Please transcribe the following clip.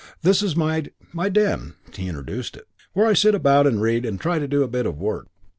'This is my my den,' he introduced it, 'where I sit about and read and try to do a bit of work.'